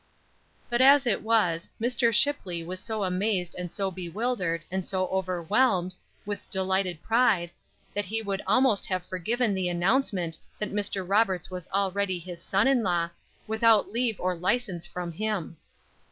But, as it was, Mr. Shipley was so amazed and so bewildered, and so overwhelmed, with delighted pride, that he would almost have forgiven the announcement that Mr. Roberts was already his son in law, without leave or license from him.